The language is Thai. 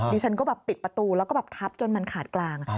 ดิฉันก็ปิดประตูแล้วก็ทับจนมันขาดกลาง